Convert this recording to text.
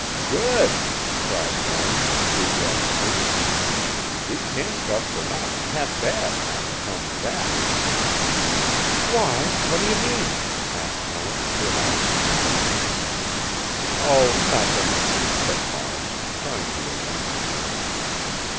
"Good!" cried Barnes, enthusiastically. "These handcuffs are not half bad, now you tell me that." "Why, what do you mean?" asked Helen, her eyes twinkling. "Oh, nothing," said Barnes, trying to look unconcerned.